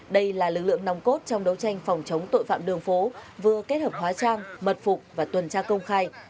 đây là lực lượng nòng cốt trong đấu tranh phòng chống tội phạm đường phố vừa kết hợp hóa trang mật phục và tuần tra công khai